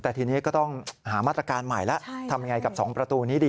แต่ทีนี้ก็ต้องหามาตรการใหม่แล้วทำยังไงกับ๒ประตูนี้ดี